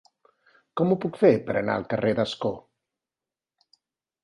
Com ho puc fer per anar al carrer d'Ascó?